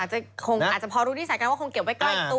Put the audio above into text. คงอาจจะพอรู้นิสัยกันว่าคงเก็บไว้ใกล้ตัว